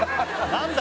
「何だ？